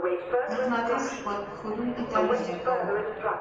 مقناطیس قطب ښودونکې ته نژدې کوو.